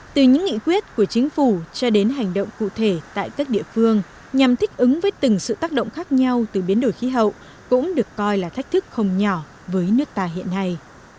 từ những nghị quyết của chính phủ cho đến hành động cụ thể tại các địa phương nhằm thích ứng với từng sự tác động khác nhau từ biến đổi khí hậu cũng được coi là thách thức không nhỏ với nước ta hiện nay